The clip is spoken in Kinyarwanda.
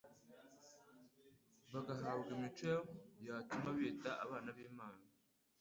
bagahabwa imico yatuma bitwa abana b'Imana